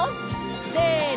せの！